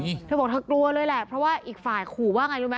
เธอบอกเธอกลัวเลยแหละเพราะว่าอีกฝ่ายขู่ว่าไงรู้ไหม